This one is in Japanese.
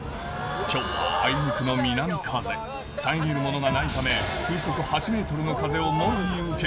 今日はあいにくの南風遮るものがないため風速８ｍの風をもろに受け